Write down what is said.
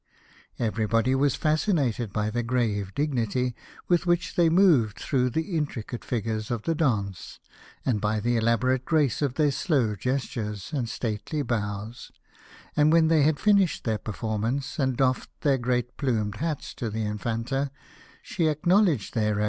Everybody was fascinated by the grave dignity with which they moved through the intricate figures of the dance, and by the ela borate grace of their slow gestures, and stately bows, and when they had finished their per formance and doffed their great plumed hats to the Infanta, she acknowledged their reve 38 The Birthday of the Infanta.